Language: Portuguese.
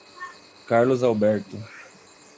Carlos Alberto.